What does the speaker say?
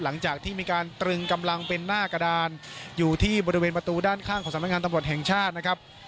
หลังจากที่มีการตรึงกำลังเป็นหน้ากระดานอยู่ที่บริเวณประตูด้านข้างของสำนักงานตำรวจแห่งชาตินะครับ